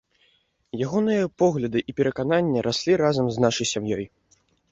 Ягоныя погляды і перакананні раслі разам з нашай сям'ёй.